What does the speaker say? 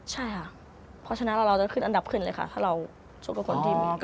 ใช่ค่ะเพราะฉะนั้นเราจะขึ้นอันดับขึ้นเลยค่ะถ้าเราชกกับคนที่มอบ